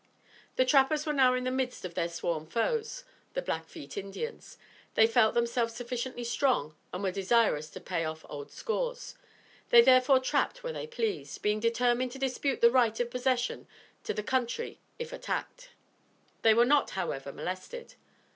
The trappers were now in the midst of their sworn foes, the Blackfeet Indians. They felt themselves sufficiently strong and were desirous to pay off old scores. They therefore trapped where they pleased, being determined to dispute the right of possession to the country if attacked. They were not, however, molested.